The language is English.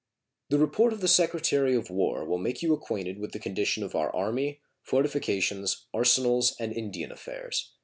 The report of the Secretary of War will make you acquainted with the condition of our Army, fortifications, arsenals, and Indian affairs.